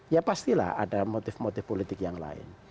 ya pastilah ada motif motif politik yang lain